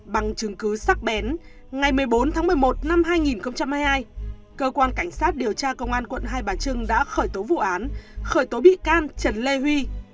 bằng chứng cứ sắc bén ngày một mươi bốn tháng một mươi một năm hai nghìn hai mươi hai cơ quan cảnh sát điều tra công an quận hai bà trưng đã khởi tố vụ án khởi tố bị can trần lê huy